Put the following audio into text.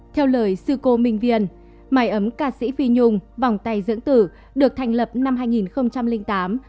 theo lời sư cô minh viên mái ấm ca sĩ phi nhung vòng tay dưỡng tử được thành lập năm hai nghìn tám